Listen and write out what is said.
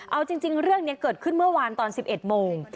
เอาจริงเรื่องนี้เกิดขึ้นเมื่อวานตอน๑๑โมง